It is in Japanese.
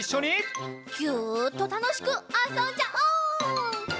ギュッとたのしくあそんじゃおう。